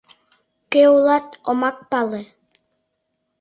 Кӧ улат — омак пале...